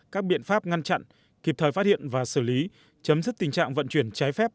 các biện pháp ngăn chặn kịp thời phát hiện và xử lý chấm dứt tình trạng vận chuyển trái phép